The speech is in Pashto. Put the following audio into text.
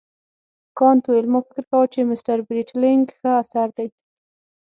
کانت وویل ما فکر کاوه چې مسټر برېټلنیګ ښه اثر دی.